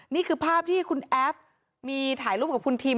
นี่คือภาพที่คุณแอฟมีถ่ายรูปกับคุณทิม